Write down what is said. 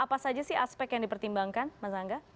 apa saja sih aspek yang dipertimbangkan mas angga